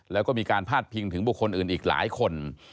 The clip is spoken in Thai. แล้วก็มีการพาดพิงถึงบุคคลอื่นอีกหลายคน